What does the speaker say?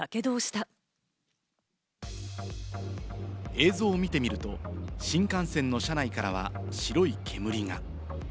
映像を見てみると、新幹線の車内からは白い煙が。